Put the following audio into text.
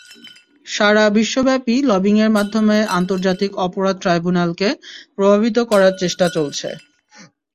সারা বিশ্বব্যাপী লবিংয়ের মাধ্যমে আন্তর্জাতিক অপরাধ ট্রাইব্যুনালকে প্রভাবিত করার চেষ্টা চলছে।